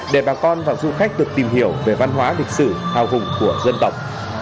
để bà con và du khách được tìm hiểu về văn hóa lịch sử hào hùng của dân tộc